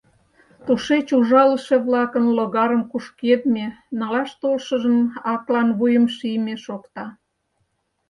Тушеч ужалыше-влакын логарым кушкедме, налаш толшыжын аклан вуйым шийме шокта.